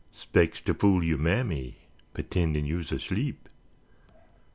Spec's to fool yo' mammy P'tendin' you'se ersleep.